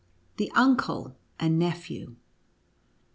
89 THE UNCLE AND NEPHEW.